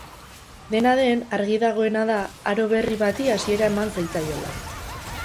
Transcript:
Dena den, argi dagoena da aro berri bati hasiera eman zitzaiola.